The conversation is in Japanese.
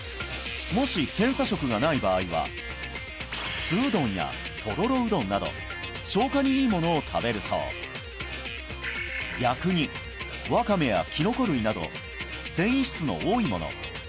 もし素うどんやとろろうどんなど消化にいいものを食べるそう逆にわかめやキノコ類など繊維質の多いもの